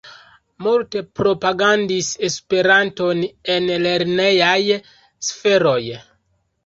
Multe propagandis Esperanton en la lernejaj sferoj.